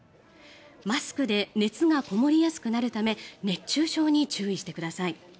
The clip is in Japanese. マスクで熱がこもりやすくなるため熱中症に注意してください。